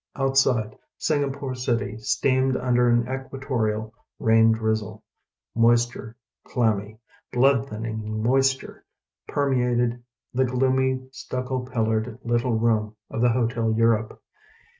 Outside, Singapore City steamed tinder an equatorial rain driczle : moistureŌĆö clammy, bloodthinning moisture ŌĆö permeated the gloomy stucco pillared tiffin room of the Hotel Burope.